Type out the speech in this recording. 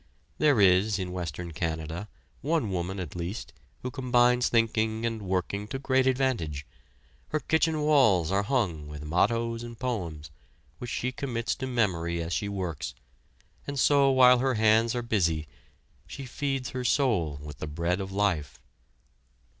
There is in western Canada, one woman at least, who combines thinking and working to great advantage. Her kitchen walls are hung with mottoes and poems, which she commits to memory as she works, and so while her hands are busy, she feeds her soul with the bread of life.